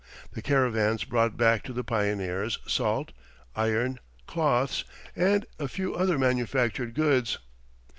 The caravans brought back to the pioneers salt, iron, cloths, and a few other manufactured goods.